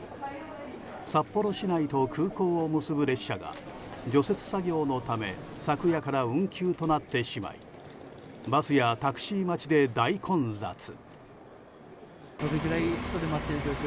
札幌市内と空港を結ぶ列車が除雪作業のため昨夜から運休となってしまいバスやタクシー待ちで大混雑。